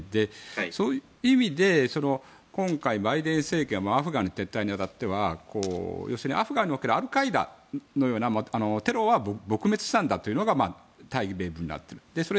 そういう意味で今回、バイデン政権はアフガンの撤退に当たってはアフガンにおけるアルカイダのようなテロは撲滅したんだというのが大義名分にあると思う。